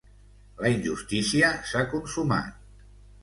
La injustícia s'ha consumat.